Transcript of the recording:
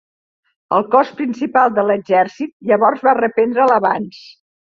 El cos principal de l'exèrcit llavors va reprendre l'avanç.